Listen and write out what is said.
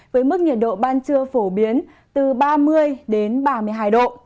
với mức nhiệt độ ban trưa phổ biến từ ba mươi đến ba mươi hai độ